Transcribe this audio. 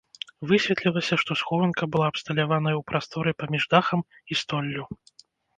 Высветлілася, што схованка была абсталяваная ў прасторы паміж дахам і столлю.